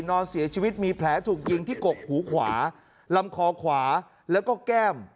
นอนเสียชีวิตมีแผลถูกยิงที่กกหูขวาลำคอขวาแล้วก็แก้ม